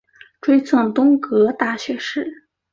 追赠东阁大学士。